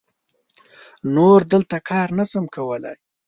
نور دلته کار نه سم کولای.